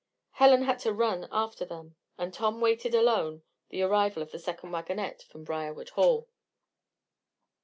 Helen had to run after them, and Tom waited alone the arrival of the second wagonette from Briarwood Hall.